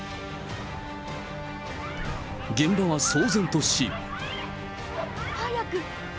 現場は騒然とし。